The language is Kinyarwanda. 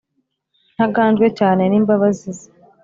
ntangajwe cyane n'imbabazi ze: